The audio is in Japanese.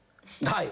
はい。